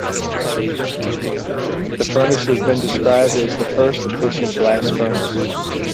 The furnace has been described as the first efficient blast furnace.